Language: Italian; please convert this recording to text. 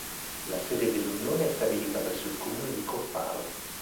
La sede dell'Unione è stabilita presso il Comune di Copparo.